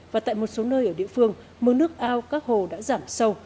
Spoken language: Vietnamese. và tại một số nơi ở địa phương mưa nước ao các hồ đã giảm sâu